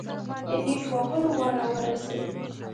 د نېش وهلو وار راورسېد.